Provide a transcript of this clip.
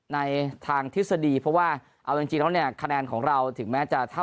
ในทางทฤษฎีเพราะว่าเอาจริงแล้วเนี่ยคะแนนของเราถึงแม้จะเท่า